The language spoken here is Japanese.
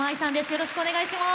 よろしくお願いします。